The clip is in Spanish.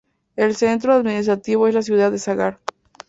El centro administrativo es la ciudad de Sagar.